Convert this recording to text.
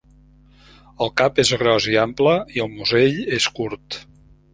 El cap és gros i ample i el musell és curt.